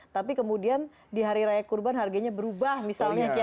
tapi kemudian di hari raya kurban harganya berubah misalnya